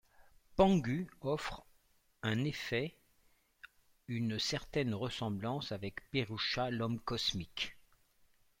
Pangu offre en effet une certaine ressemblance avec Purusha, l’homme cosmique.